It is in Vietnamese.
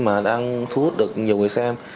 mà đang thu hút được nhiều người xem